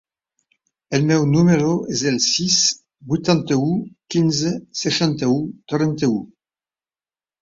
El meu número es el sis, vuitanta-u, quinze, seixanta-u, trenta-u.